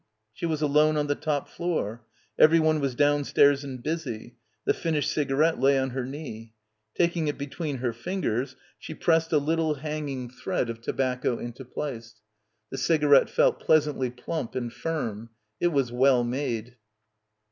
She was alone on the top floor. Everyone was downstairs and busy. The finished cigarette lay on her knee. Taking it between her fingers she pressed a little hanging thread of tobacco into place. The cigarette felt pleasantly plump and firm. It was well made.